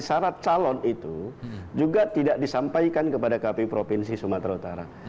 syarat calon itu juga tidak disampaikan kepada kpu provinsi sumatera utara